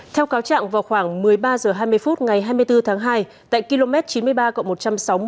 theo cáo trạng vào khoảng một mươi ba h hai mươi phút ngày hai mươi bốn tháng hai tại km chín mươi ba cộng một trăm sáu mươi